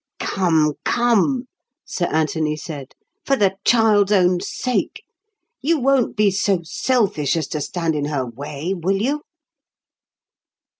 "Come, come!" Sir Anthony said; "for the child's own sake; you won't be so selfish as to stand in her way, will you?"